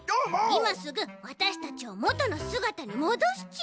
いますぐわたしたちをもとのすがたにもどすち！